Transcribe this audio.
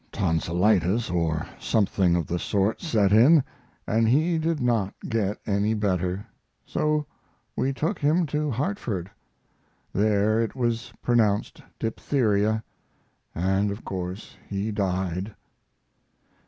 Tonsilitis or something of the sort set in, and he did not get any better, so we took him to Hartford. There it was pronounced diphtheria, and of course he died."